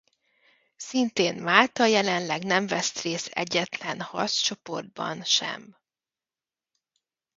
Szintén Málta jelenleg nem vesz részt egyetlen harccsoportban sem.